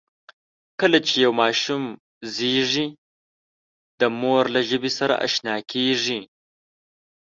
کله چې یو ماشوم زېږي، د مور له ژبې سره آشنا کېږي.